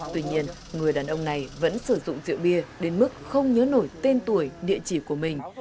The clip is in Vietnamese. tuy nhiên người đàn ông này vẫn sử dụng rượu bia đến mức không nhớ nổi tên tuổi địa chỉ của mình